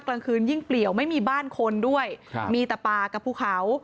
กลางคืนยิ่งเปลี่ยวไม่มีบ้านคนด้วยครับมีแต่ป่ากับภูเขา